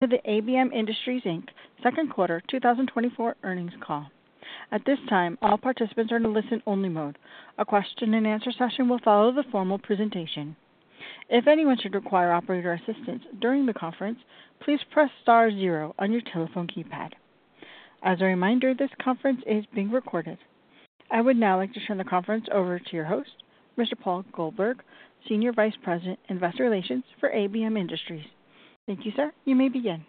To the ABM Industries Inc. second quarter 2024 earnings call. At this time, all participants are in a listen-only mode. A question-and-answer session will follow the formal presentation. If anyone should require operator assistance during the conference, please press star zero on your telephone keypad. As a reminder, this conference is being recorded. I would now like to turn the conference over to your host, Mr. Paul Goldberg, Senior Vice President, Investor Relations for ABM Industries. Thank you, sir. You may begin.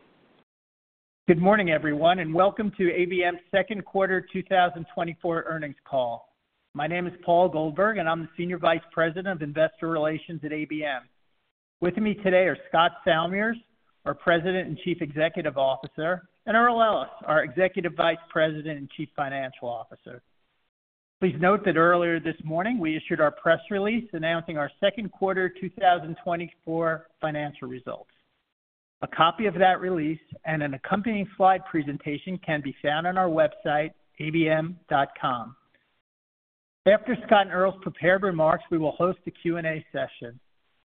Good morning, everyone, and welcome to ABM's second quarter 2024 earnings call. My name is Paul Goldberg, and I'm the Senior Vice President of Investor Relations at ABM. With me today are Scott Salmirs, our President and Chief Executive Officer, and Earl Ellis, our Executive Vice President and Chief Financial Officer. Please note that earlier this morning, we issued our press release announcing our second quarter 2024 financial results. A copy of that release and an accompanying slide presentation can be found on our website, abm.com. After Scott and Earl's prepared remarks, we will host a Q and A session.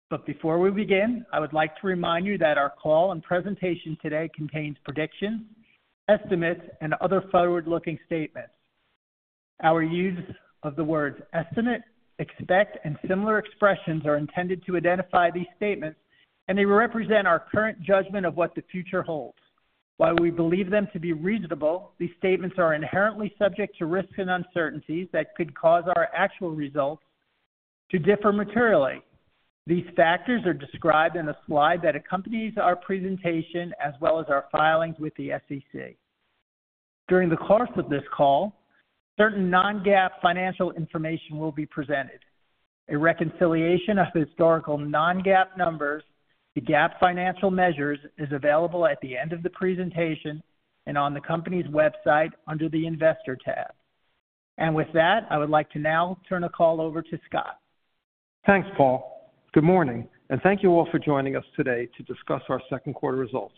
But before we begin, I would like to remind you that our call and presentation today contains predictions, estimates, and other forward-looking statements. Our use of the words estimate, expect, and similar expressions are intended to identify these statements, and they represent our current judgment of what the future holds. While we believe them to be reasonable, these statements are inherently subject to risks and uncertainties that could cause our actual results to differ materially. These factors are described in a slide that accompanies our presentation, as well as our filings with the SEC. During the course of this call, certain non-GAAP financial information will be presented. A reconciliation of historical non-GAAP numbers to GAAP financial measures is available at the end of the presentation and on the company's website under the Investor tab. With that, I would like to now turn the call over to Scott. Thanks, Paul. Good morning, and thank you all for joining us today to discuss our second quarter results.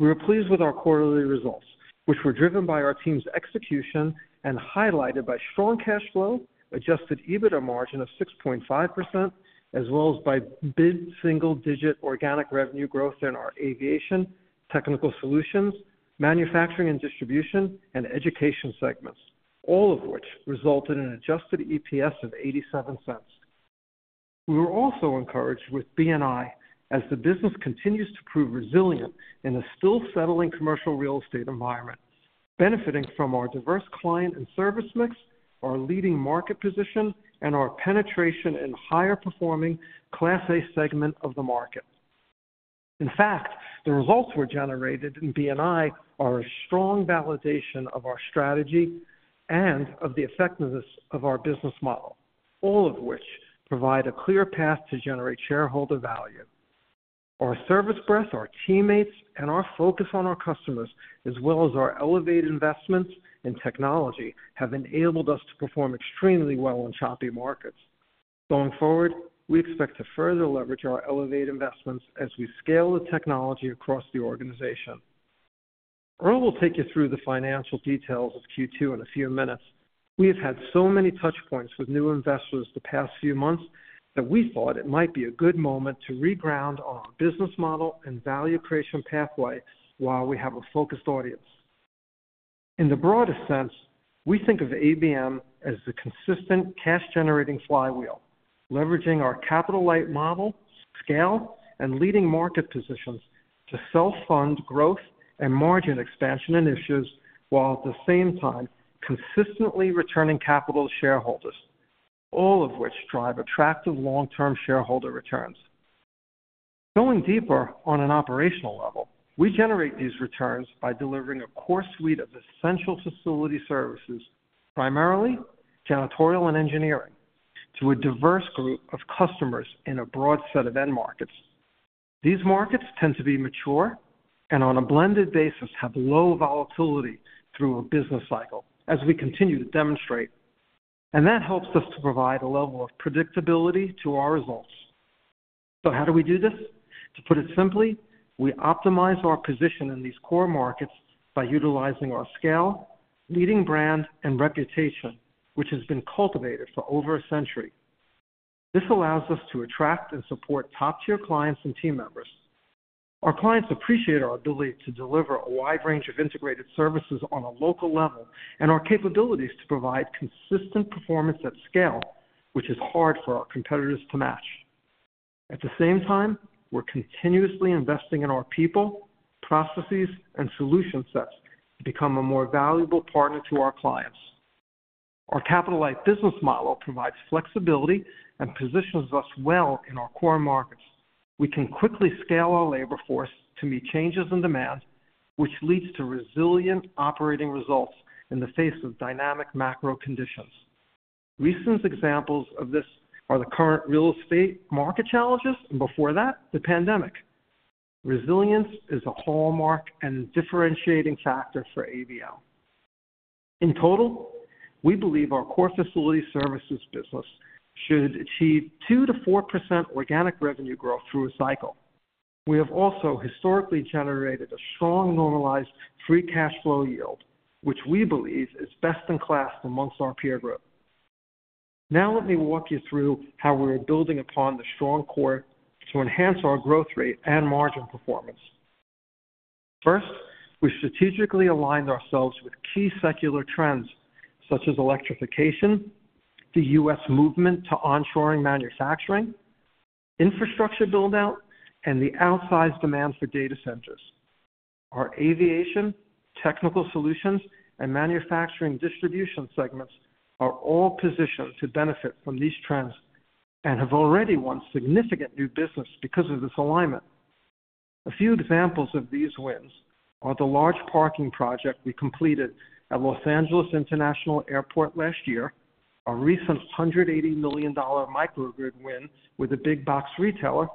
We are pleased with our quarterly results, which were driven by our team's execution and highlighted by strong cash flow, Adjusted EBITDA margin of 6.5%, as well as by mid-single-digit organic revenue growth in our Aviation, Technical Solutions, Manufacturing and Distribution, and Education Segments, all of which resulted in an Adjusted EPS of $0.87. We were also encouraged with B&I as the business continues to prove resilient in a still settling commercial real estate environment, benefiting from our diverse client and service mix, our leading market position, and our penetration in higher-performing Class A segment of the market. In fact, the results we generated in B&I are a strong validation of our strategy and of the effectiveness of our business model, all of which provide a clear path to generate shareholder value. Our service breadth, our teammates, and our focus on our customers, as well as our elevated investments in technology, have enabled us to perform extremely well in choppy markets. Going forward, we expect to further leverage our Elevate investments as we scale the technology across the organization. Earl will take you through the financial details of Q2 in a few minutes. We have had so many touch points with new investors the past few months that we thought it might be a good moment to reground on our business model and value creation pathway while we have a focused audience. In the broadest sense, we think of ABM as the consistent cash-generating flywheel, leveraging our capital-light model, scale, and leading market positions to self-fund growth and margin expansion initiatives, while at the same time, consistently returning capital to shareholders, all of which drive attractive long-term shareholder returns. Going deeper on an operational level, we generate these returns by delivering a core suite of essential facility services, primarily janitorial and engineering, to a diverse group of customers in a broad set of end markets. These markets tend to be mature and, on a blended basis, have low volatility through a business cycle, as we continue to demonstrate, and that helps us to provide a level of predictability to our results. So how do we do this? To put it simply, we optimize our position in these core markets by utilizing our scale, leading brand, and reputation, which has been cultivated for over a century. This allows us to attract and support top-tier clients and team members. Our clients appreciate our ability to deliver a wide range of integrated services on a local level and our capabilities to provide consistent performance at scale, which is hard for our competitors to match. At the same time, we're continuously investing in our people, processes, and solution sets to become a more valuable partner to our clients. Our capital-light business model provides flexibility and positions us well in our core markets. We can quickly scale our labor force to meet changes in demand, which leads to resilient operating results in the face of dynamic macro conditions. Recent examples of this are the current real estate market challenges, and before that, the pandemic. Resilience is a hallmark and differentiating factor for ABM. In total, we believe our core facility services business should achieve 2%-4% organic revenue growth through a cycle. We have also historically generated a strong normalized Free Cash Flow yield, which we believe is best-in-class amongst our peer group. Now let me walk you through how we are building upon the strong core to enhance our growth rate and margin performance. First, we strategically aligned ourselves with key secular trends, such as electrification, the U.S. movement to onshoring manufacturing, infrastructure build-out, and the outsized demand for data centers. Our Aviation, Technical Solutions, and Manufacturing Distribution segments are all positioned to benefit from these trends and have already won significant new business because of this alignment. A few examples of these wins are the large parking project we completed at Los Angeles International Airport last year, our recent $180 million microgrid win with a big box retailer,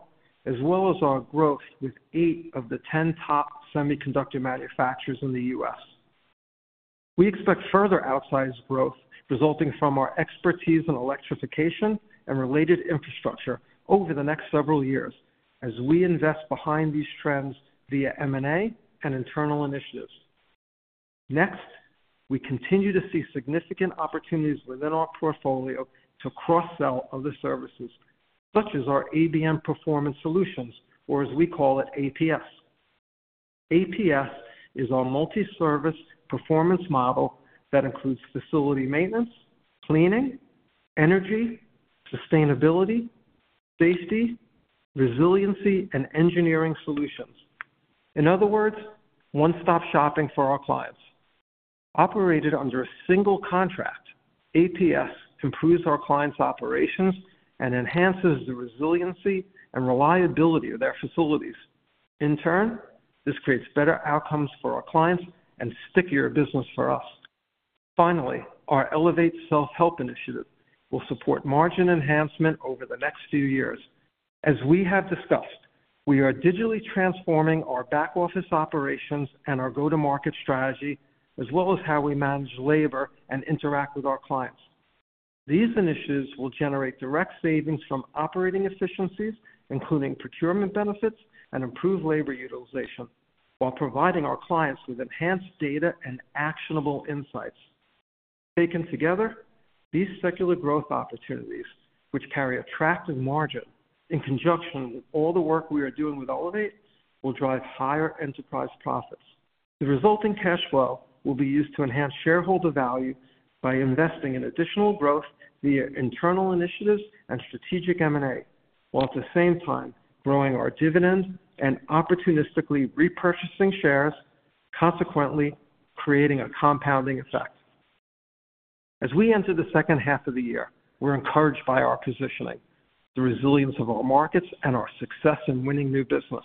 as well as our growth with 8 of the 10 top semiconductor manufacturers in the U.S. We expect further outsized growth resulting from our expertise in electrification and related infrastructure over the next several years as we invest behind these trends via M&A and internal initiatives. Next, we continue to see significant opportunities within our portfolio to cross-sell other services, such as our ABM Performance Solutions, or as we call it, APS. APS is our multi-service performance model that includes facility maintenance, cleaning, energy, sustainability, safety, resiliency, and engineering solutions. In other words, one-stop shopping for our clients. Operated under a single contract, APS improves our clients' operations and enhances the resiliency and reliability of their facilities. In turn, this creates better outcomes for our clients and stickier business for us. Finally, our Elevate Self-Help Initiative will support margin enhancement over the next few years. As we have discussed, we are digitally transforming our back-office operations and our go-to-market strategy, as well as how we manage labor and interact with our clients. These initiatives will generate direct savings from operating efficiencies, including procurement benefits and improved labor utilization, while providing our clients with enhanced data and actionable insights. Taken together, these secular growth opportunities, which carry attractive margin, in conjunction with all the work we are doing with Elevate, will drive higher enterprise profits. The resulting cash flow will be used to enhance shareholder value by investing in additional growth via internal initiatives and strategic M&A, while at the same time growing our dividend and opportunistically repurchasing shares, consequently, creating a compounding effect. As we enter the second half of the year, we're encouraged by our positioning, the resilience of our markets, and our success in winning new business.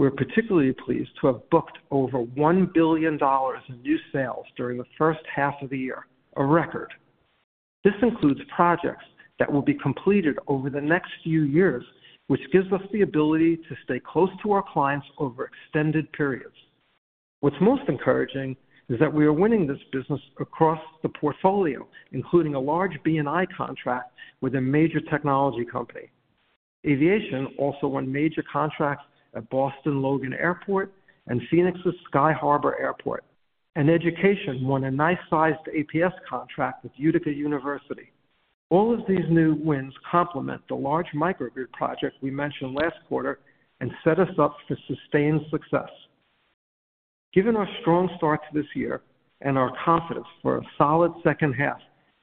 We're particularly pleased to have booked over $1 billion in new sales during the first half of the year, a record. This includes projects that will be completed over the next few years, which gives us the ability to stay close to our clients over extended periods. What's most encouraging is that we are winning this business across the portfolio, including a large B&I contract with a major technology company. Aviation also won major contracts at Boston Logan International Airport and Phoenix Sky Harbor International Airport, and Education won a nice-sized APS contract with Utica University. All of these new wins complement the large microgrid project we mentioned last quarter and set us up for sustained success. Given our strong start to this year and our confidence for a solid second half,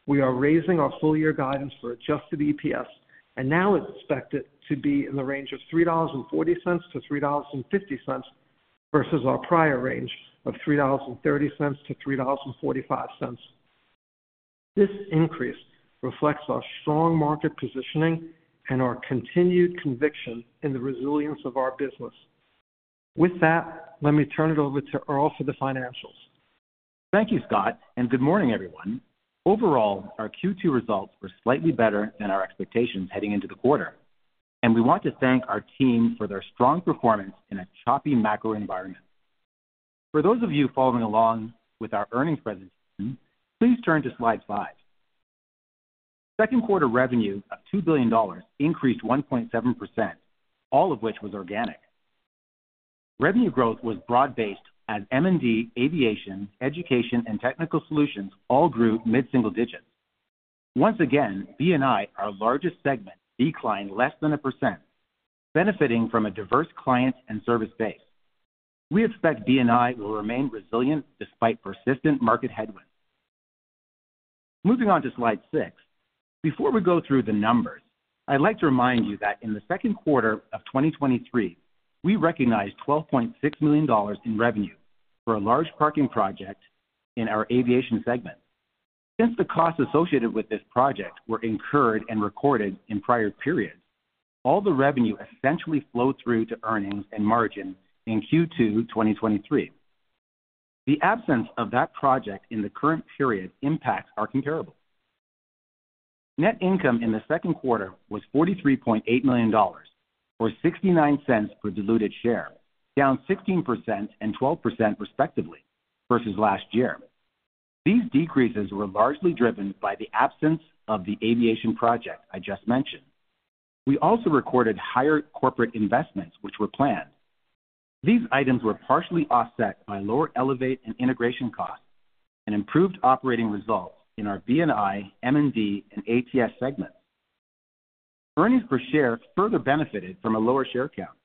we are raising our full-year guidance for Adjusted EPS and now expect it to be in the range of $3.40-$3.50, versus our prior range of $3.30-$3.45. This increase reflects our strong market positioning and our continued conviction in the resilience of our business. With that, let me turn it over to Earl for the financials. Thank you, Scott, and good morning, everyone. Overall, our Q2 results were slightly better than our expectations heading into the quarter, and we want to thank our team for their strong performance in a choppy macro environment. For those of you following along with our earnings presentation, please turn to slide five. Second quarter revenue of $2 billion increased 1.7%, all of which was organic. Revenue growth was broad-based as M&D, Aviation, Education, and Technical Solutions all grew mid-single digits. Once again, B&I, our largest segment, declined less than 1%, benefiting from a diverse client and service base. We expect B&I will remain resilient despite persistent market headwinds. Moving on to slide six. Before we go through the numbers, I'd like to remind you that in the second quarter of 2023, we recognized $12.6 million in revenue for a large parking project in our Aviation segment. Since the costs associated with this project were incurred and recorded in prior periods, all the revenue essentially flowed through to earnings and margin in Q2, 2023. The absence of that project in the current period impacts our comparables. Net income in the second quarter was $43.8 million, or $0.69 per diluted share, down 16% and 12%, respectively, versus last year. These decreases were largely driven by the absence of the Aviation project I just mentioned. We also recorded higher corporate investments, which were planned. These items were partially offset by lower Elevate and integration costs and improved operating results in our B&I, M&D, and ATS segments. Earnings per share further benefited from a lower share count.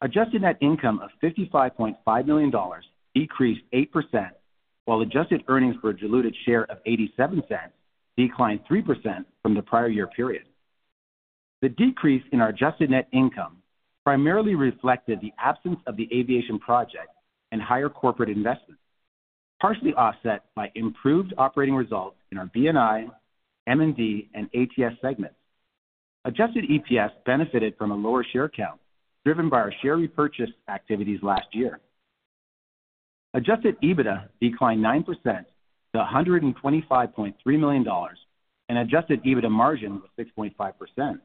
Adjusted net income of $55.5 million decreased 8%, while adjusted earnings per diluted share of $0.87 declined 3% from the prior year period. The decrease in our adjusted net income primarily reflected the absence of the Aviation project and higher corporate investments, partially offset by improved operating results in our B&I, M&D, and ATS segments. Adjusted EPS benefited from a lower share count, driven by our share repurchase activities last year. Adjusted EBITDA declined 9% to $125.3 million, and Adjusted EBITDA margin was 6.5%.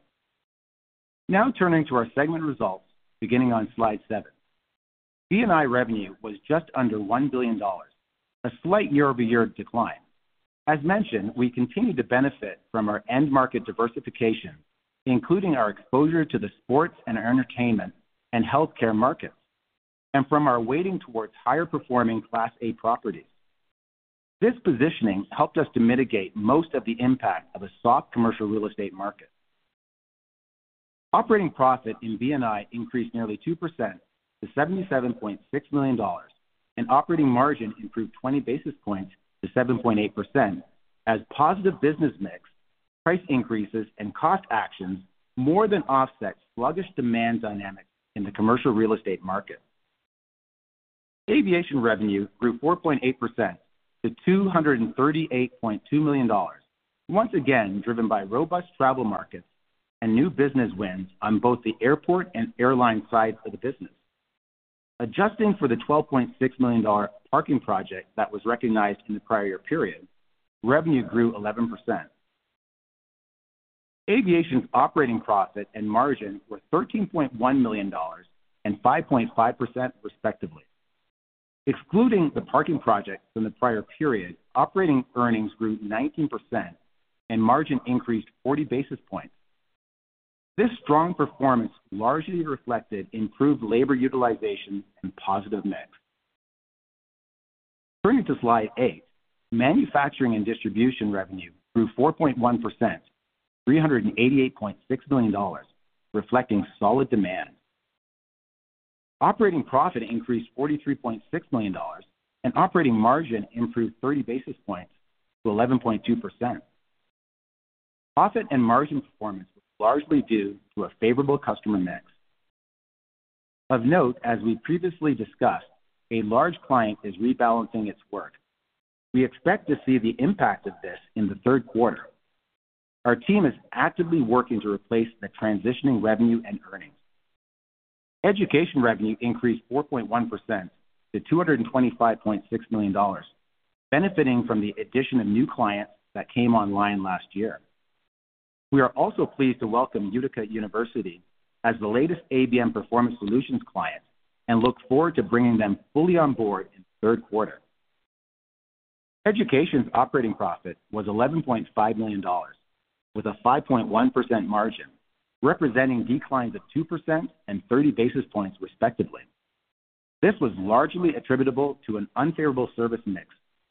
Now turning to our segment results, beginning on slide seven. B&I revenue was just under $1 billion, a slight year-over-year decline. As mentioned, we continued to benefit from our end market diversification, including our exposure to the sports and entertainment and healthcare markets, and from our weighting towards higher performing Class A properties. This positioning helped us to mitigate most of the impact of a soft commercial real estate market. Operating profit in B&I increased nearly 2% to $77.6 million, and operating margin improved 20 basis points to 7.8%, as positive business mix, price increases, and cost actions more than offset sluggish demand dynamics in the commercial real estate market. Aviation revenue grew 4.8% to $238.2 million, once again, driven by robust travel markets and new business wins on both the airport and airline side of the business. Adjusting for the $12.6 million parking project that was recognized in the prior year period, revenue grew 11%. Aviation's operating profit and margin were $13.1 million and 5.5%, respectively. Excluding the parking project from the prior period, operating earnings grew 19%, and margin increased 40 basis points. This strong performance largely reflected improved labor utilization and positive mix. Turning to slide eight. Manufacturing and Distribution revenue grew 4.1%, $388.6 million, reflecting solid demand. Operating profit increased $43.6 million, and operating margin improved 30 basis points to 11.2%. Profit and margin performance was largely due to a favorable customer mix. Of note, as we previously discussed, a large client is rebalancing its work. We expect to see the impact of this in the third quarter. Our team is actively working to replace the transitioning revenue and earnings. Education revenue increased 4.1% to $225.6 million, benefiting from the addition of new clients that came online last year. We are also pleased to welcome Utica University as the latest ABM Performance Solutions client and look forward to bringing them fully on board in the third quarter. Education's operating profit was $11.5 million, with a 5.1% margin, representing declines of 2% and 30 basis points, respectively. This was largely attributable to an unfavorable service mix,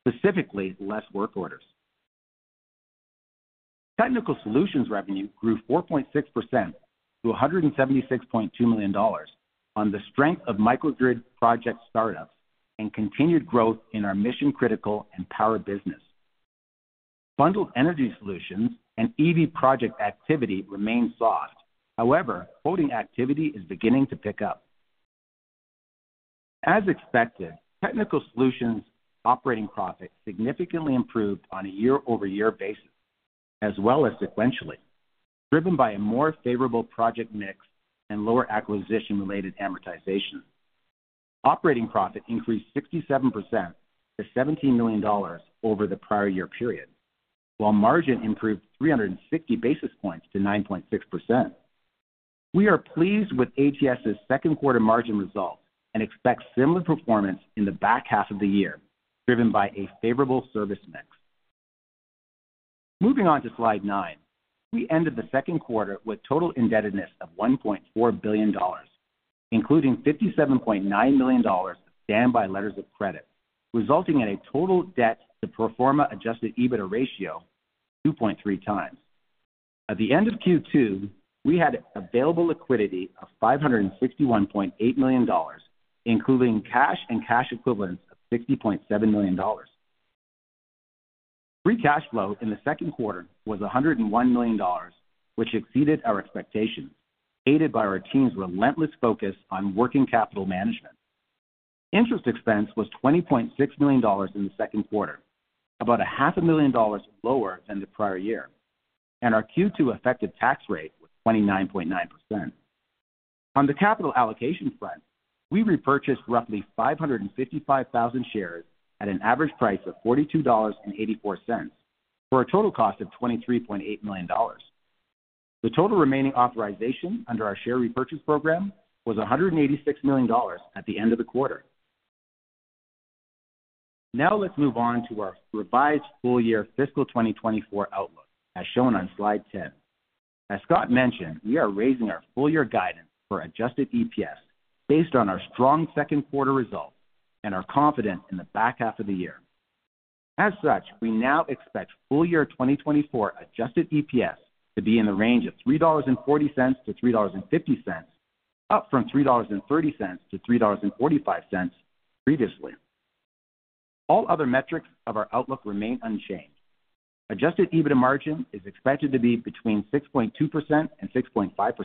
specifically less work orders. Technical Solutions revenue grew 4.6% to $176.2 million on the strength of microgrid project startups and continued growth in our mission-critical and power business. Bundled energy solutions and EV project activity remained soft. However, quoting activity is beginning to pick up. As expected, Technical Solutions operating profit significantly improved on a year-over-year basis, as well as sequentially, driven by a more favorable project mix and lower acquisition-related amortization. Operating profit increased 67% to $17 million over the prior year period, while margin improved 360 basis points to 9.6%. We are pleased with ATS's second quarter margin result and expect similar performance in the back half of the year, driven by a favorable service mix. Moving on to slide nine, we ended the second quarter with total indebtedness of $1.4 billion, including $57.9 million standby letters of credit, resulting in a total debt to pro forma Adjusted EBITDA ratio of 2.3 times. At the end of Q2, we had available liquidity of $561.8 million, including cash and cash equivalents of $60.7 million. Free Cash Flow in the second quarter was $101 million, which exceeded our expectations, aided by our team's relentless focus on working capital management. Interest expense was $20.6 million in the second quarter, about $0.5 million lower than the prior year, and our Q2 effective tax rate was 29.9%. On the capital allocation front, we repurchased roughly 555,000 shares at an average price of $42.84, for a total cost of $23.8 million. The total remaining authorization under our share repurchase program was $186 million at the end of the quarter. Now let's move on to our revised full-year fiscal 2024 outlook, as shown on slide 10. As Scott mentioned, we are raising our full-year guidance for Adjusted EPS based on our strong second quarter results and are confident in the back half of the year. As such, we now expect full-year 2024 Adjusted EPS to be in the range of $3.40-$3.50, up from $3.30-$3.45 previously. All other metrics of our outlook remain unchanged. Adjusted EBITDA margin is expected to be between 6.2% and 6.5%.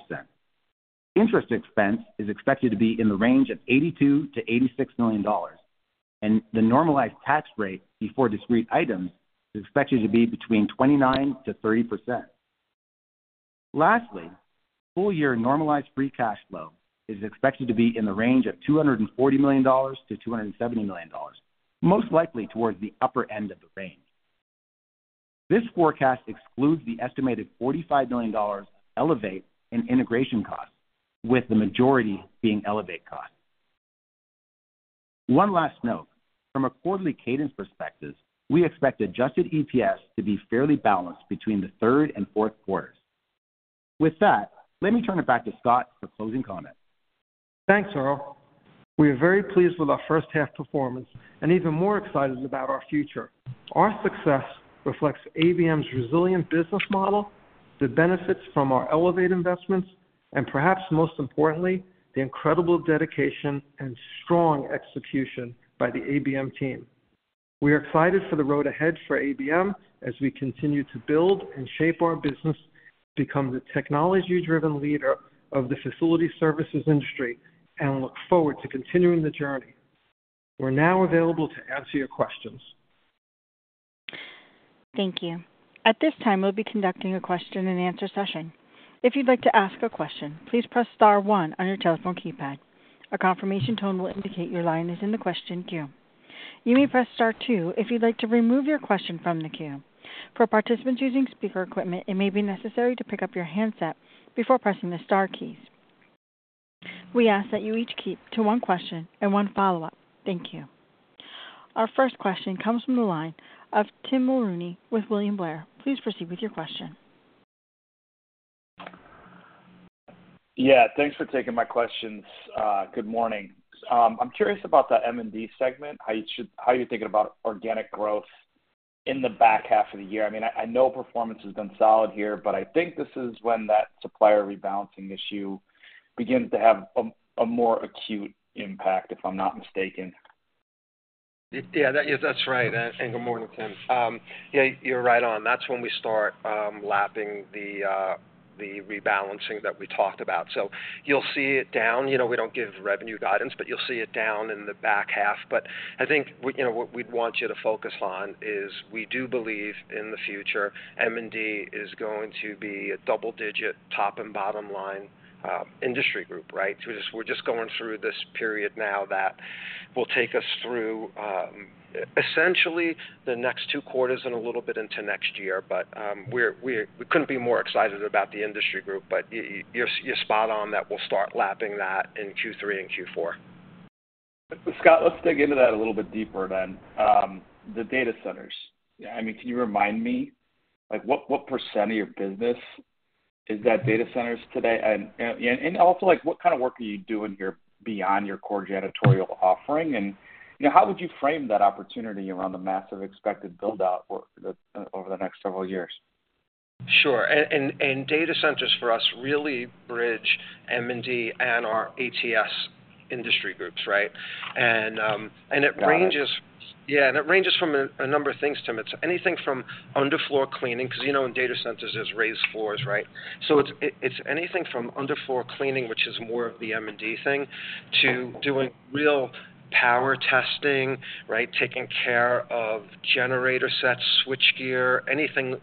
Interest expense is expected to be in the range of $82 million-$86 million, and the normalized tax rate before discrete items is expected to be between 29%-30%. Lastly, full year normalized Free Cash Flow is expected to be in the range of $240 million-$270 million, most likely towards the upper end of the range. This forecast excludes the estimated $45 million Elevate and integration costs, with the majority being Elevate costs. One last note. From a quarterly cadence perspective, we expect Adjusted EPS to be fairly balanced between the third and fourth quarters. With that, let me turn it back to Scott for closing comments. Thanks, Earl. We are very pleased with our first half performance and even more excited about our future. Our success reflects ABM's resilient business model, the benefits from our Elevate investments, and perhaps most importantly, the incredible dedication and strong execution by the ABM team. We are excited for the road ahead for ABM as we continue to build and shape our business to become the technology-driven leader of the facility services industry, and look forward to continuing the journey. We're now available to answer your questions. Thank you. At this time, we'll be conducting a question-and-answer session. If you'd like to ask a question, please press star one on your telephone keypad. A confirmation tone will indicate your line is in the question queue. You may press star two if you'd like to remove your question from the queue. For participants using speaker equipment, it may be necessary to pick up your handset before pressing the star keys. We ask that you each keep to one question and one follow-up. Thank you. Our first question comes from the line of Tim Mulrooney with William Blair. Please proceed with your question. Yeah, thanks for taking my questions. Good morning. I'm curious about the M&D segment. How you're thinking about organic growth in the back half of the year? I mean, I know performance has been solid here, but I think this is when that supplier rebalancing issue begins to have a more acute impact, if I'm not mistaken. Yeah, that, yes, that's right. And good morning, Tim. Yeah, you're right on. That's when we start lapping the rebalancing that we talked about. So you'll see it down. You know, we don't give revenue guidance, but you'll see it down in the back half. But I think, you know, what we'd want you to focus on is, we do believe in the future, M&D is going to be a double-digit top and bottom line industry group, right? We're just, we're just going through this period now that will take us through essentially the next two quarters and a little bit into next year. But, we're we couldn't be more excited about the industry group, but you're spot on that we'll start lapping that in Q3 and Q4. Scott, let's dig into that a little bit deeper then. The data centers. I mean, can you remind me, like, what % of your business is that data centers today? And also, like, what kind of work are you doing here beyond your core janitorial offering? And, you know, how would you frame that opportunity around the massive expected build-out for the over the next several years? Sure. And data centers for us really bridge M&D and our ATS industry groups, right? And it ranges- Got it. Yeah, and it ranges from a number of things, Tim. It's anything from underfloor cleaning, 'cause, you know, in data centers, there's raised floors, right? So it's anything from underfloor cleaning, which is more of the M&D thing, to doing real power testing, right? Taking care of generator sets, switchgear, anything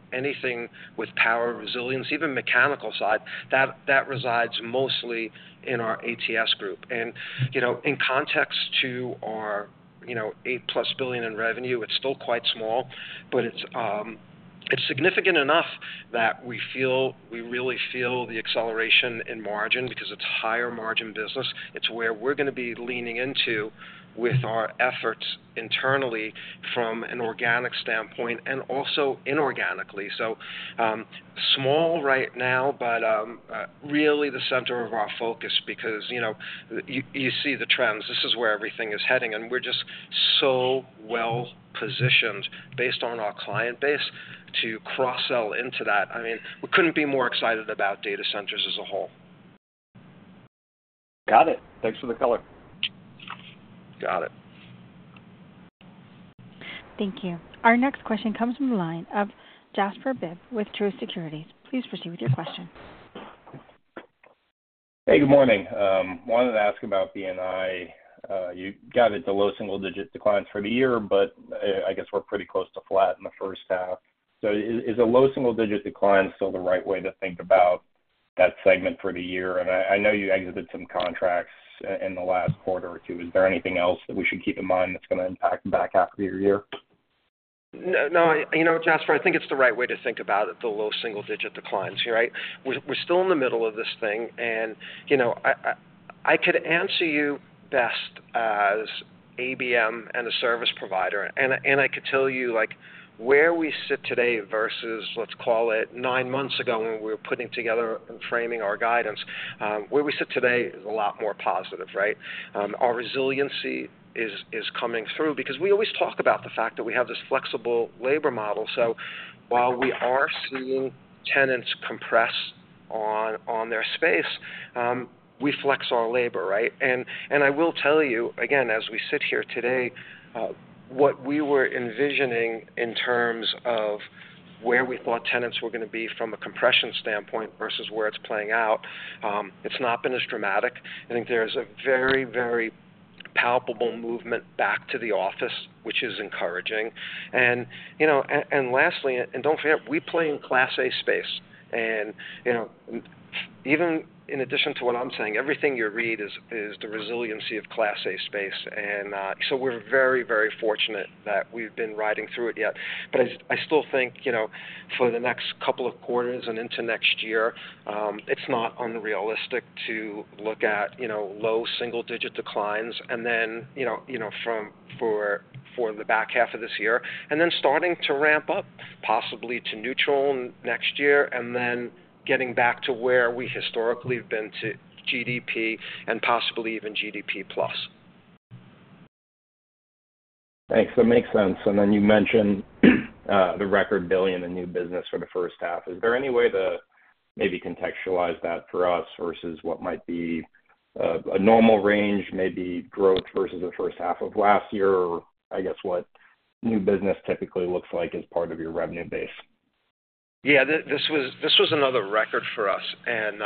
with power resilience, even mechanical side, that resides mostly in our ATS group. And, you know, in context to our, you know, $8+ billion in revenue, it's still quite small, but it's significant enough that we feel, we really feel the acceleration in margin because it's higher margin business. It's where we're gonna be leaning into with our efforts internally from an organic standpoint and also inorganically. So, small right now, but, really the center of our focus because, you know, you see the trends. This is where everything is heading, and we're just so well positioned based on our client base to cross-sell into that. I mean, we couldn't be more excited about data centers as a whole. Got it. Thanks for the color. Got it. Thank you. Our next question comes from the line of Jasper Bibb with Truist Securities. Please proceed with your question. Hey, good morning. Wanted to ask about B&I. You got it to low single-digit declines for the year, but I guess we're pretty close to flat in the first half. So is a low single-digit decline still the right way to think about that segment for the year? And I know you exited some contracts in the last quarter or two. Is there anything else that we should keep in mind that's gonna impact the back half of your year? No, no, you know, Jasper, I think it's the right way to think about it, the low single digit declines, right? We're still in the middle of this thing, and, you know, I could answer you best as ABM and a service provider, and I could tell you, like, where we sit today versus, let's call it, nine months ago, when we were putting together and framing our guidance. Where we sit today is a lot more positive, right? Our resiliency is coming through because we always talk about the fact that we have this flexible labor model. So while we are seeing tenants compress on their space, we flex our labor, right? And I will tell you again, as we sit here today, what we were envisioning in terms of where we thought tenants were gonna be from a compression standpoint versus where it's playing out, it's not been as dramatic. I think there's a very, very palpable movement back to the office, which is encouraging. And, you know, and lastly, and don't forget, we play in Class A space. And, you know, even in addition to what I'm saying, everything you read is the resiliency of Class A space, and, so we're very, very fortunate that we've been riding through it yet. But I still think, you know, for the next couple of quarters and into next year, it's not unrealistic to look at, you know, low single-digit declines, and then, you know, you know, for the back half of this year, and then starting to ramp up, possibly to neutral next year, and then getting back to where we historically have been to GDP and possibly even GDP plus. Thanks. That makes sense. And then you mentioned the record $1 billion in new business for the first half. Is there any way to maybe contextualize that for us versus what might be a normal range, maybe growth versus the first half of last year, or I guess what new business typically looks like as part of your revenue base? Yeah, this was another record for us, and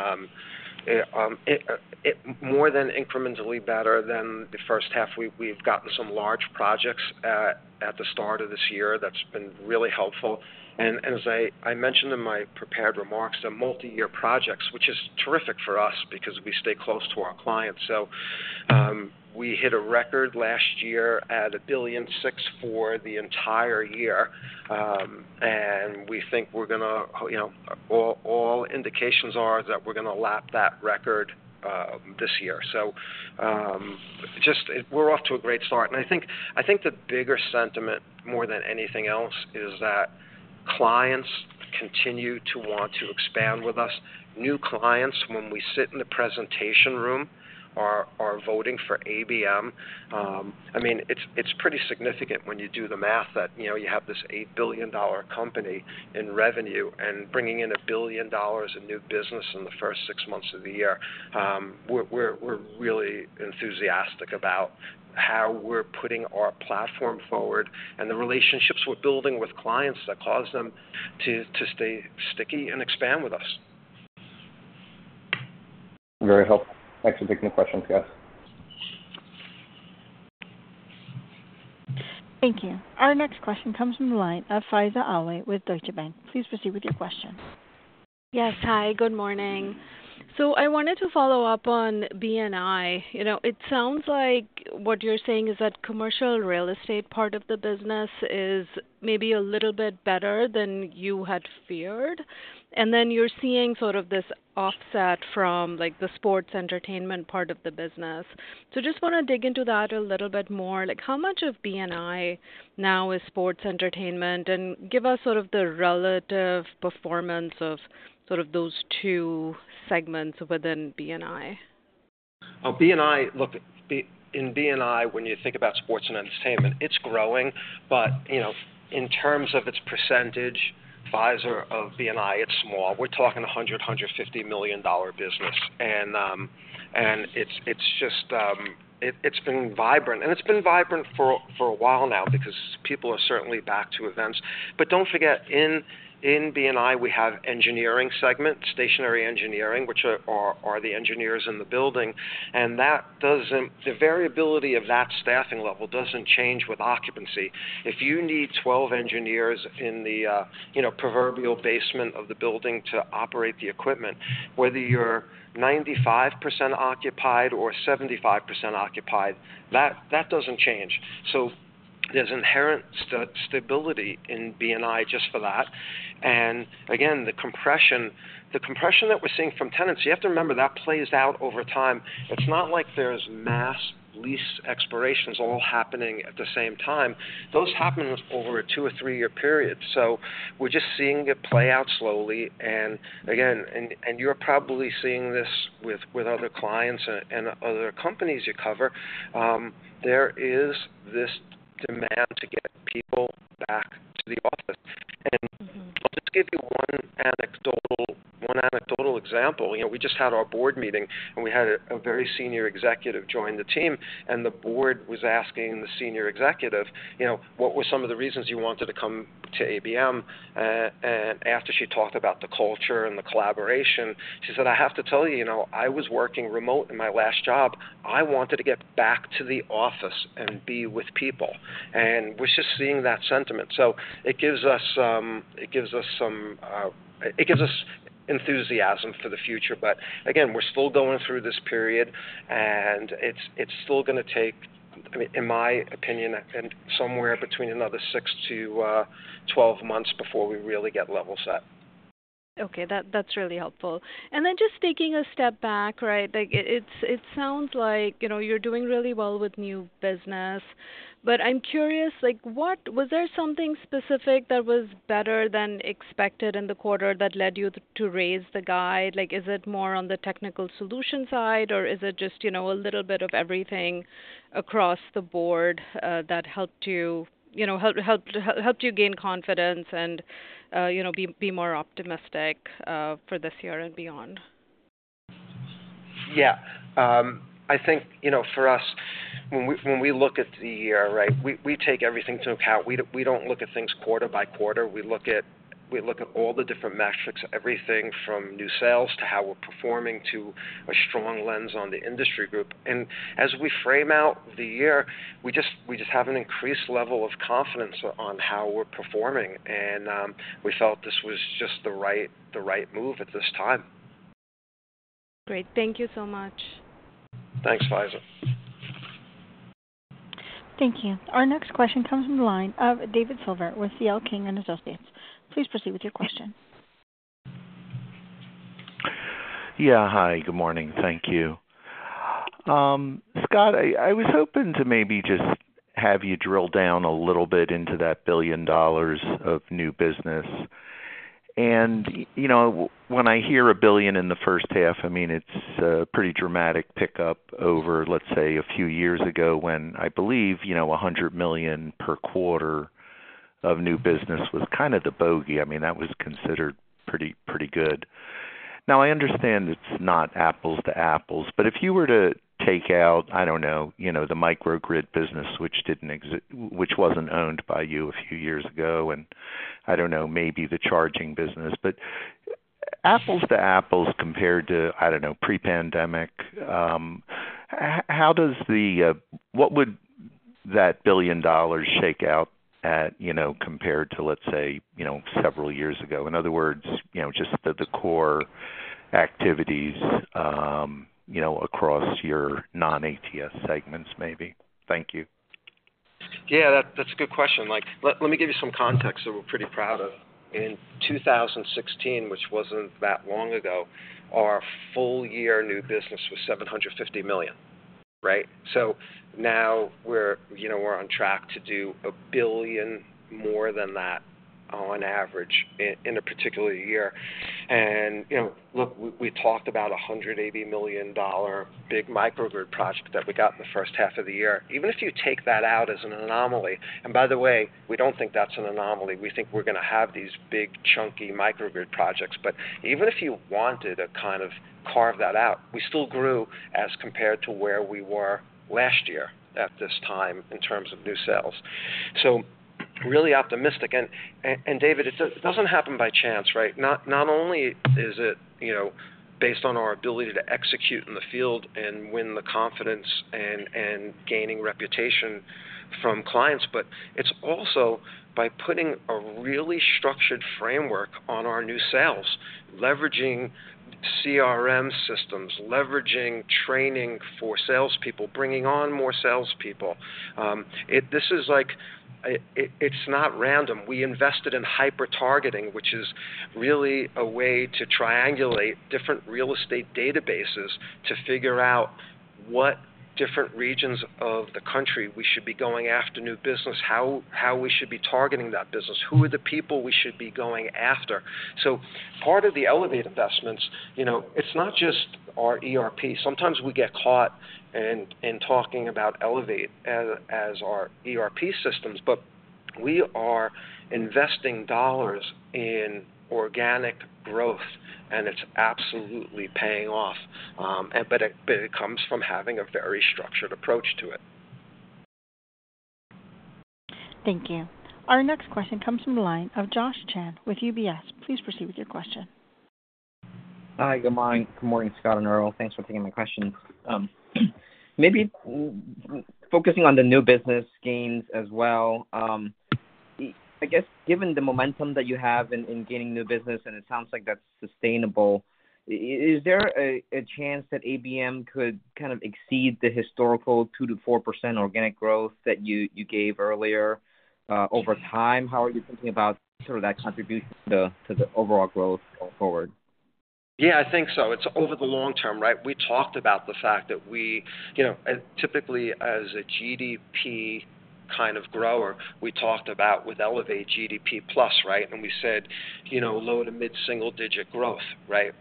it more than incrementally better than the first half. We've gotten some large projects at the start of this year that's been really helpful. And as I mentioned in my prepared remarks, they're multiyear projects, which is terrific for us because we stay close to our clients. So we hit a record last year at $1.6 billion for the entire year, and we think we're gonna, you know, all indications are that we're gonna lap that record this year. So just we're off to a great start. And I think the bigger sentiment, more than anything else, is that clients continue to want to expand with us. New clients, when we sit in the presentation room, are voting for ABM. I mean, it's pretty significant when you do the math, that you know, you have this $8 billion-dollar company in revenue and bringing in $1 billion in new business in the first six months of the year. We're really enthusiastic about how we're putting our platform forward and the relationships we're building with clients that cause them to stay sticky and expand with us. Very helpful. Thanks for taking the question, Jasper. Thank you. Our next question comes from the line of Faiza Alwy with Deutsche Bank. Please proceed with your question. Yes. Hi, good morning. So I wanted to follow up on B&I. You know, it sounds like what you're saying is that commercial real estate part of the business is maybe a little bit better than you had feared, and then you're seeing sort of this offset from, like, the sports entertainment part of the business. So just wanna dig into that a little bit more. Like, how much of B&I now is sports entertainment? And give us sort of the relative performance of sort of those two segments within B&I. Oh, B&I. Look, in B&I, when you think about sports and entertainment, it's growing, but, you know, in terms of its percentage, Faiza, of B&I, it's small. We're talking a $100-$150 million dollar business. And it's just, it's been vibrant, and it's been vibrant for a while now because people are certainly back to events. But don't forget, in B&I, we have engineering segment, stationary engineering, which are the engineers in the building, and the variability of that staffing level doesn't change with occupancy. If you need 12 engineers in the, you know, proverbial basement of the building to operate the equipment, whether you're 95% occupied or 75% occupied, that doesn't change. So there's inherent stability in B&I just for that. And again, the compression that we're seeing from tenants, you have to remember, that plays out over time. It's not like there's mass lease expirations all happening at the same time. Those happen over a 2- or 3-year period, so we're just seeing it play out slowly. And again, you're probably seeing this with other clients and other companies you cover, there is this demand to get people back to the office. Mm-hmm. I'll just give you one anecdotal example. You know, we just had our board meeting, and we had a very senior executive join the team, and the board was asking the senior executive, you know, "What were some of the reasons you wanted to come to ABM?" And after she talked about the culture and the collaboration, she said, "I have to tell you, you know, I was working remote in my last job. I wanted to get back to the office and be with people." And we're just seeing that sentiment, so it gives us some enthusiasm for the future. But again, we're still going through this period, and it's still gonna take, I mean, in my opinion, somewhere between another 6-12 months before we really get level set. Okay, that's really helpful. And then just taking a step back, right? Like it's- it sounds like, you know, you're doing really well with new business, but I'm curious, like, what-- was there something specific that was better than expected in the quarter that led you to raise the guide? Like, is it more on the technical solution side, or is it just, you know, a little bit of everything across the board that helped you, you know, gain confidence and, you know, be more optimistic for this year and beyond? Yeah. I think, you know, for us, when we look at the year, right, we take everything into account. We don't look at things quarter by quarter. We look at all the different metrics, everything from new sales to how we're performing to a strong lens on the industry group. And as we frame out the year, we just have an increased level of confidence on how we're performing, and we felt this was just the right move at this time. Great. Thank you so much. Thanks, Faiza. Thank you. Our next question comes from the line of David Silver with CL King & Associates. Please proceed with your question. Yeah, hi, good morning. Thank you. Scott, I was hoping to maybe just have you drill down a little bit into that $1 billion of new business. And, you know, when I hear a $1 billion in the first half, I mean, it's a pretty dramatic pickup over, let's say, a few years ago, when I believe, you know, $100 million per quarter of new business was kind of the bogey. I mean, that was considered pretty, pretty good. Now, I understand it's not apples to apples, but if you were to take out, I don't know, you know, the microgrid business, which wasn't owned by you a few years ago, and I don't know, maybe the charging business. But apples to apples compared to, I don't know, pre-pandemic, how does the, What would that $1 billion shake out at, you know, compared to, let's say, you know, several years ago? In other words, you know, just the, the core activities, you know, across your non-ATS segments, maybe. Thank you. Yeah, that's a good question. Like, let me give you some context that we're pretty proud of. In 2016, which wasn't that long ago, our full-year new business was $750 million, right? So now we're, you know, on track to do $1 billion more than that on average in a particular year. And, you know, look, we talked about a $180 million big microgrid project that we got in the first half of the year. Even if you take that out as an anomaly, and by the way, we don't think that's an anomaly, we think we're gonna have these big, chunky microgrid projects. But even if you wanted to kind of carve that out, we still grew as compared to where we were last year at this time in terms of new sales. So really optimistic. And David, it doesn't happen by chance, right? Not only is it, you know, based on our ability to execute in the field and win the confidence and gaining reputation from clients, but it's also by putting a really structured framework on our new sales, leveraging CRM systems, leveraging training for salespeople, bringing on more salespeople. It. This is like it. It's not random. We invested in hyper targeting, which is really a way to triangulate different real estate databases to figure out what different regions of the country we should be going after new business, how we should be targeting that business, who are the people we should be going after? So part of the Elevate investments, you know, it's not just our ERP. Sometimes we get caught in talking about Elevate as our ERP systems, but we are investing dollars in organic growth, and it's absolutely paying off, but it comes from having a very structured approach to it. Thank you. Our next question comes from the line of Josh Chan with UBS. Please proceed with your question. Hi, good morning. Good morning, Scott and Earl. Thanks for taking my question. Maybe focusing on the new business gains as well. I guess, given the momentum that you have in gaining new business, and it sounds like that's sustainable, is there a chance that ABM could kind of exceed the historical 2%-4% organic growth that you gave earlier, over time? How are you thinking about sort of that contribution to the overall growth going forward? Yeah, I think so. It's over the long term, right? We talked about the fact that we... You know, typically as a GDP kind of grower, we talked about with Elevate GDP plus, right? And we said, you know, low to mid-single digit growth, right?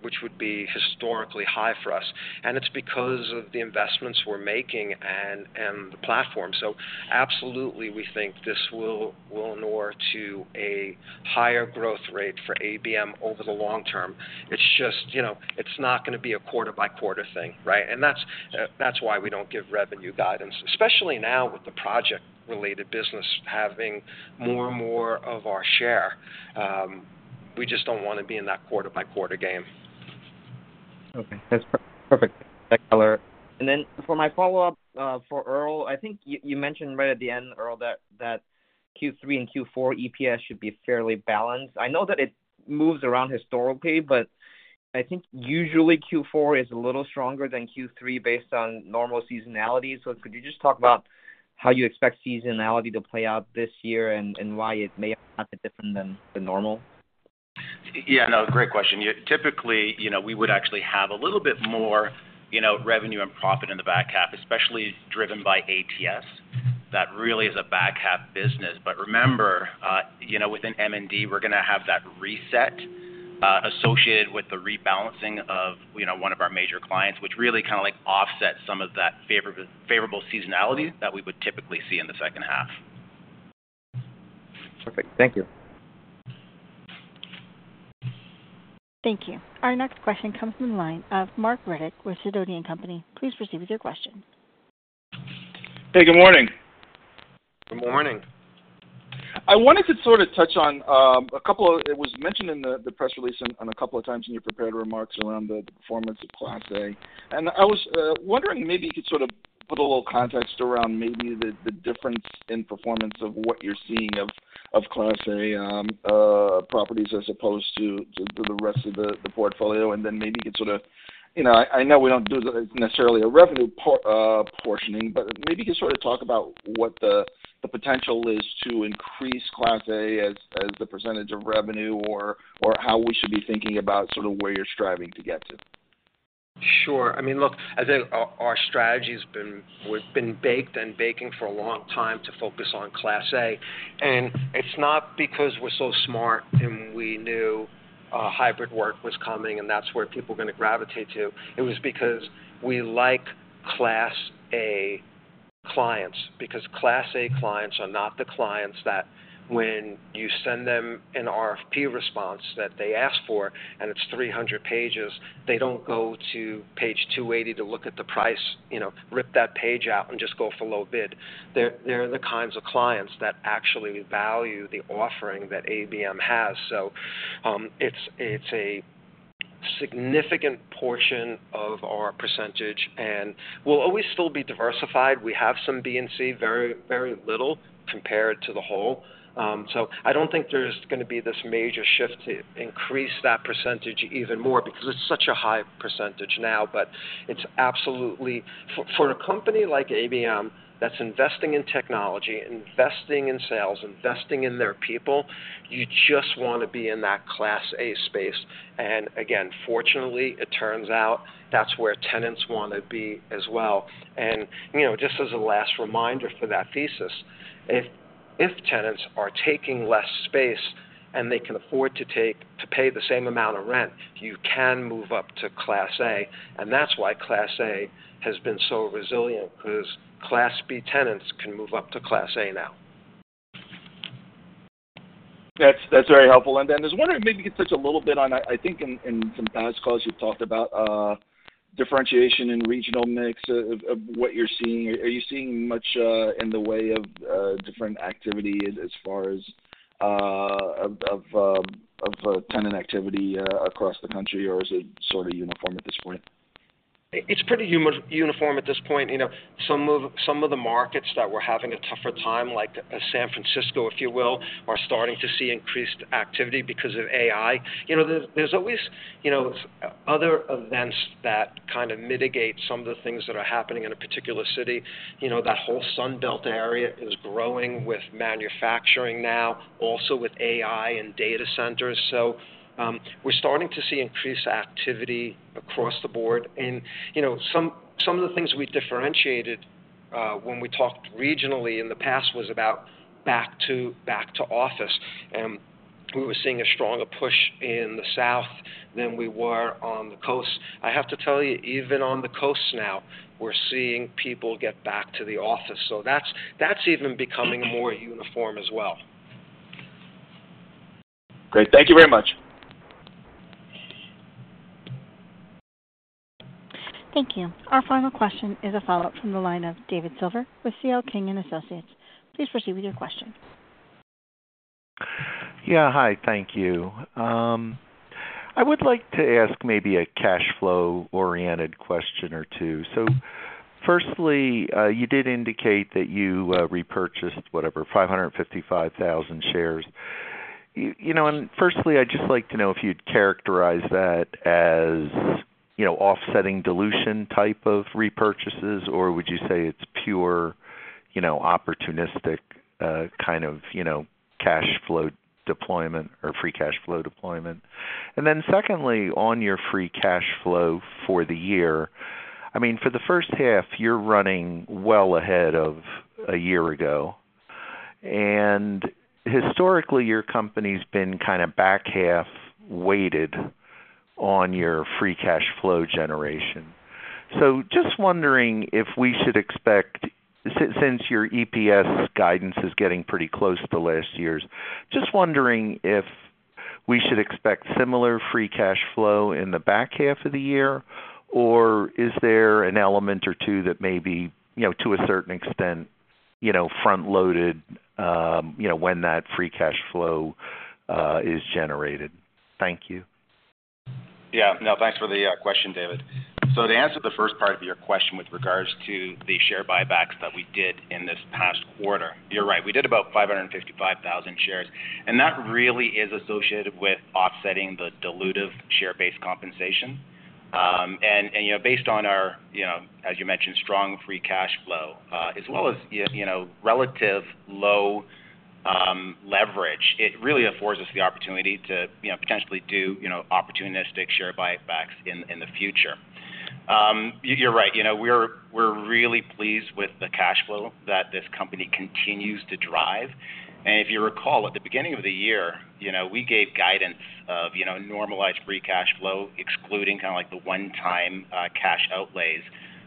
Which would be historically high for us. And it's because of the investments we're making and, and the platform. So absolutely, we think this will, will inure to a higher growth rate for ABM over the long term. It's just, you know, it's not gonna be a quarter-by-quarter thing, right? And that's why we don't give revenue guidance, especially now with the project-related business having more and more of our share. We just don't wanna be in that quarter-by-quarter game. Okay, that's perfect. And then for my follow-up, for Earl, I think you mentioned right at the end, Earl, that Q3 and Q4 EPS should be fairly balanced. I know that it moves around historically, but I think usually Q4 is a little stronger than Q3 based on normal seasonality. So could you just talk about how you expect seasonality to play out this year and why it may have been different than the normal? Yeah, no, great question. Typically, you know, we would actually have a little bit more, you know, revenue and profit in the back half, especially driven by ATS. That really is a back half business. But remember, you know, within M&D, we're going to have that reset, associated with the rebalancing of, you know, one of our major clients, which really kind of, like, offsets some of that favorable, favorable seasonality that we would typically see in the second half. Perfect. Thank you. Thank you. Our next question comes from the line of Marc Riddick with Sidoti & Company. Please proceed with your question. Hey, good morning. Good morning. I wonder if you'd sort of touch on a couple of things. It was mentioned in the press release and a couple of times in your prepared remarks around the performance of Class A. And I was wondering maybe you could sort of put a little context around the difference in performance of what you're seeing of Class A properties, as opposed to the rest of the portfolio. And then maybe you could sort of... You know, I know we don't do necessarily a revenue portioning, but maybe you can sort of talk about what the potential is to increase Class A as the percentage of revenue, or how we should be thinking about where you're striving to get to. Sure. I mean, look, I think our, our strategy has been, we've been baked and baking for a long time to focus on Class A. And it's not because we're so smart, and we knew hybrid work was coming, and that's where people are going to gravitate to. It was because we like Class A clients, because Class A clients are not the clients that when you send them an RFP response that they ask for, and it's 300 pages, they don't go to page 280 to look at the price, you know, rip that page out and just go for low bid. They're, they're the kinds of clients that actually value the offering that ABM has. So, it's a significant portion of our percentage, and we'll always still be diversified. We have some B and C, very, very little compared to the whole. So I don't think there's going to be this major shift to increase that percentage even more because it's such a high percentage now. But it's absolutely for a company like ABM that's investing in technology, investing in sales, investing in their people, you just want to be in that Class A space. And again, fortunately, it turns out that's where tenants want to be as well. And, you know, just as a last reminder for that thesis, if tenants are taking less space and they can afford to take to pay the same amount of rent, you can move up to Class A, and that's why Class A has been so resilient, because Class B tenants can move up to Class A now. That's, that's very helpful. And then I was wondering, maybe you could touch a little bit on, I think in some past calls, you talked about differentiation in regional mix, of what you're seeing. Are you seeing much in the way of different activity as far as tenant activity across the country, or is it sort of uniform at this point? It's pretty uniform at this point. You know, some of the markets that were having a tougher time, like San Francisco, if you will, are starting to see increased activity because of AI. You know, there's always, you know, other events that kind of mitigate some of the things that are happening in a particular city. You know, that whole Sun Belt area is growing with manufacturing now, also with AI and data centers. So, we're starting to see increased activity across the board. And, you know, some of the things we differentiated when we talked regionally in the past was about back to office. We were seeing a stronger push in the south than we were on the coast. I have to tell you, even on the coast now, we're seeing people get back to the office, so that's, that's even becoming more uniform as well. Great. Thank you very much. Thank you. Our final question is a follow-up from the line of David Silver with CL King & Associates. Please proceed with your question. Yeah, hi. Thank you. I would like to ask maybe a cash flow-oriented question or two. So firstly, you did indicate that you repurchased, whatever, 555,000 shares. You know, and firstly, I'd just like to know if you'd characterize that as, you know, offsetting dilution type of repurchases, or would you say it's pure, you know, opportunistic kind of, you know, cash flow deployment or Free Cash Flow deployment? And then secondly, on your Free Cash Flow for the year, I mean, for the first half, you're running well ahead of a year ago, and historically, your company's been kind of back half weighted on your Free Cash Flow generation. So just wondering if we should expect, since your EPS guidance is getting pretty close to last year's, just wondering if we should expect similar Free Cash Flow in the back half of the year, or is there an element or two that may be, you know, to a certain extent you know, front-loaded, you know, when that Free Cash Flow is generated? Thank you. Yeah, no, thanks for the question, David. So to answer the first part of your question with regards to the share buybacks that we did in this past quarter, you're right, we did about 555,000 shares, and that really is associated with offsetting the dilutive share-based compensation. And, you know, based on our, you know, as you mentioned, strong Free Cash Flow, as well as, you know, relative low leverage, it really affords us the opportunity to, you know, potentially do, you know, opportunistic share buybacks in the future. You're right, you know, we're really pleased with the cash flow that this company continues to drive. If you recall, at the beginning of the year, you know, we gave guidance of, you know, normalized Free Cash Flow, excluding kind of like the one-time cash outlays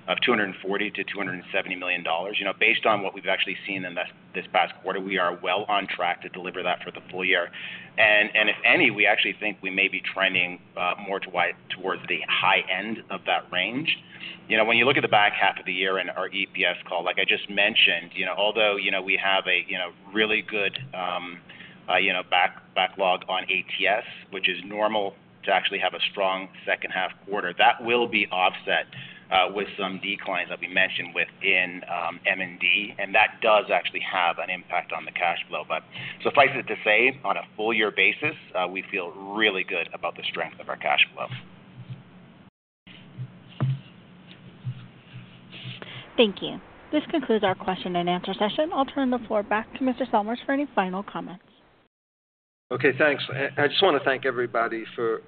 of $240 million-$270 million. You know, based on what we've actually seen in this past quarter, we are well on track to deliver that for the full year. And if any, we actually think we may be trending more towards the high end of that range. You know, when you look at the back half of the year and our EPS call, like I just mentioned, you know, although, you know, we have a, you know, really good, you know, backlog on ATS, which is normal to actually have a strong second half quarter, that will be offset, with some declines that we mentioned within, M&D, and that does actually have an impact on the cash flow. But so suffice it to say, on a full year basis, we feel really good about the strength of our cash flow. Thank you. This concludes our question and answer session. I'll turn the floor back to Mr. Salmirs for any final comments. Okay, thanks. I, I just wanna thank everybody for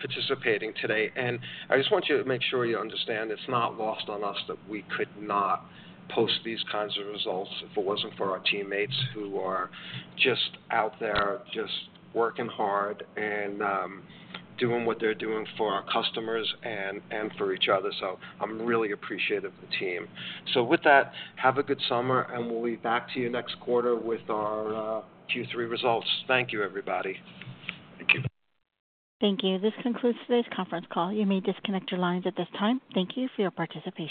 participating today, and I just want you to make sure you understand it's not lost on us that we could not post these kinds of results if it wasn't for our teammates who are just out there, just working hard and doing what they're doing for our customers and, and for each other. So I'm really appreciative of the team. So with that, have a good summer, and we'll be back to you next quarter with our Q3 results. Thank you, everybody. Thank you. Thank you. This concludes today's conference call. You may disconnect your lines at this time. Thank you for your participation.